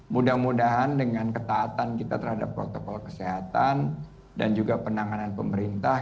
mudah mudahan dengan ketaatan kita terhadap protokol kesehatan dan juga penanganan pemerintah